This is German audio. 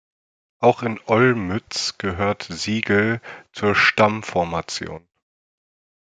Auch in Olmütz gehörte Siegl zur Stammformation.